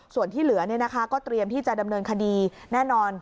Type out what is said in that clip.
ส่วนที่เหลือก็เตรียมที่จะดำเนินคดีแน่นอน